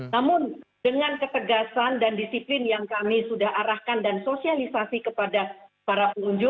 namun dengan ketegasan dan disiplin yang kami sudah arahkan dan sosialisasi kepada para pengunjung